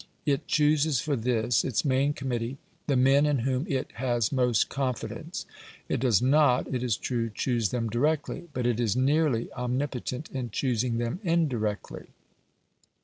It chooses for this, its main committee, the men in whom it has most confidence. It does not, it is true, choose them directly; but it is nearly omnipotent in choosing them indirectly.